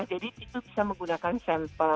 jadi itu bisa menggunakan sampel